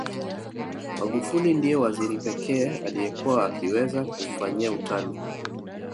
Magufuli ndiye waziri pekee aliyekuwa akiweza kumfanyia utani